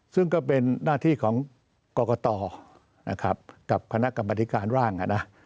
ซึ่งก็เป็นหน้าที่ของกรกตนะครับกับคณะกรรมธิการร่าง